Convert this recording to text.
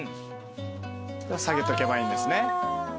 下げとけばいいんですね。